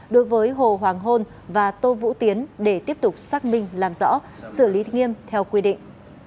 đối với hồ hoàng hôn và tô vũ tiến để tiếp tục xác minh làm rõ xử lý nghiêm theo quy định